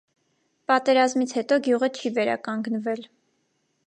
Պատերազմից հետո գյուղը չի վերականգնվել։